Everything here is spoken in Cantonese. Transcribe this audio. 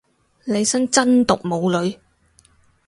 利申真毒冇女